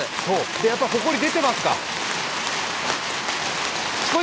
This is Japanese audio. やっぱ、ほこり出てますか？